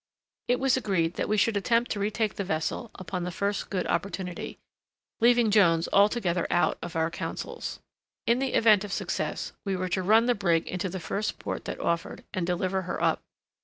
It was agreed that we should attempt to retake the vessel upon the first good opportunity, leaving Jones altogether out of our councils. In the event of success, we were to run the brig into the first port that offered, and deliver her up.